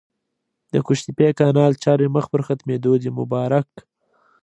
د قوشتېپې کانال چارې مخ پر ختمېدو دي! مبارک